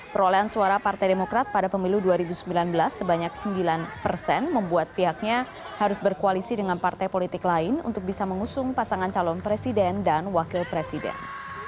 perolehan suara partai demokrat pada pemilu dua ribu sembilan belas sebanyak sembilan persen membuat pihaknya harus berkoalisi dengan partai politik lain untuk bisa mengusung pasangan calon presiden dan wakil presiden